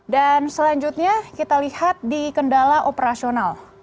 dan selanjutnya kita lihat di kendala operasional